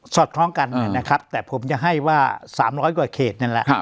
อดคล้องกันนะครับแต่ผมจะให้ว่า๓๐๐กว่าเขตนั่นแหละ